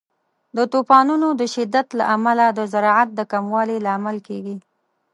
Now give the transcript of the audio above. د طوفانونو د شدت له امله د زراعت د کموالي لامل کیږي.